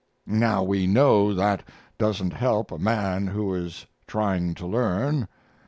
Now we know that doesn't help a man who is trying to learn.